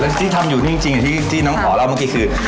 แล้วที่ทำอยู่นี่จริงที่น้องขอเล่าเมื่อกี้คือ